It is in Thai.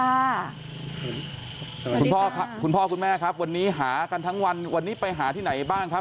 คุณพ่อคุณพ่อคุณแม่ครับวันนี้หากันทั้งวันวันนี้ไปหาที่ไหนบ้างครับ